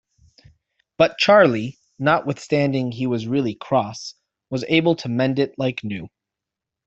But Charlie, notwithstanding he was really cross, was able to mend it like new.